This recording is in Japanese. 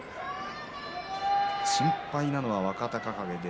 心配なのは若隆景です。